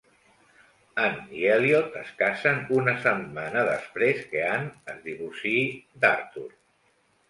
Anne i Eliot es casen una setmana després que Anne es divorciï d'Arthur.